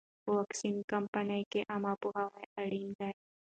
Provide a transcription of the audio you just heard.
په واکسین کمپاین کې عامه پوهاوی اړین دی.